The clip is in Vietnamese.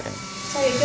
sao vậy chú